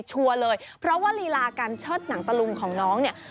เลยเพราะว่าลีลาการเชิดหนังตะลุงของน้องเนี่ย